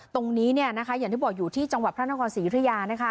ตรงนี้เนี่ยนะคะอย่างที่บอกอยู่ที่จังหวัดพระนครศรีภรรยานะคะ